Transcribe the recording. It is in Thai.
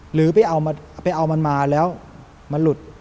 หรือไปเอามันมาแล้วมันหลุด